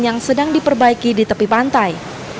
yang sedang diperbaiki di tepi pantai